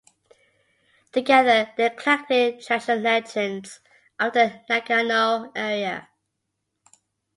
Together they collected traditional legends of the Nagano area.